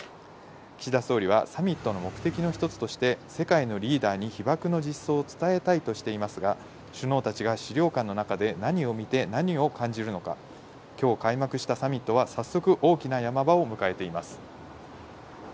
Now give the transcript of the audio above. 岸田総理はサミットの目的の１つとして、世界のリーダーに被爆の実相を伝えたいとしていますが、首脳たちが資料館の中で何を見て何を感じるのか、きょう開幕したサミットは早速大きな山場を迎えています。